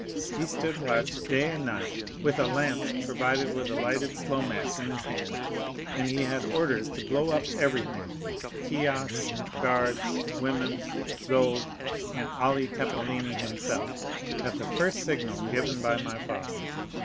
He stood watch day and night with a lance provided with a lighted slowmatch in his hand, and he had orders to blow up everything—kiosk, guards, women, gold, and Ali Tepelini himself—at the first signal given by my father.